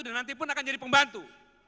dan nanti pun akan jadi pembantu